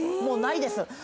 もうないです。